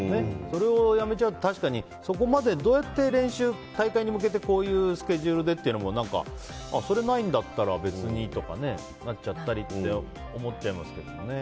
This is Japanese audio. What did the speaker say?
それをやめちゃうとそこまでどうやって練習大会に向けて、こういうスケジュールでっていうのもそれがないんだったら別にとかなっちゃったりって思いますけど。